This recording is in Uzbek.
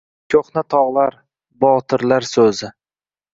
Koʼhna togʼlar – botirlar – soʼzi